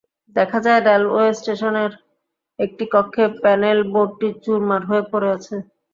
দেখা যায়, রেলওয়ে স্টেশনের একটি কক্ষে প্যানেল বোর্ডটি চুরমার হয়ে পড়ে আছে।